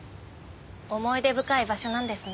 思い出深い場所なんですね。